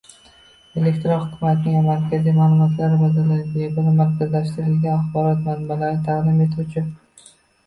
Elektron hukumatning markaziy ma’lumotlar bazalari yagona markazlashtirilgan axborot manbalarini taqdim etuvchi